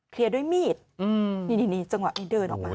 เคลียร์ด้วยมีดนี่จังหวะเดินออกมา